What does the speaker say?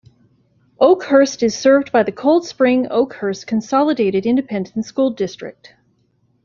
Oakhurst is served by the Coldspring-Oakhurst Consolidated Independent School District.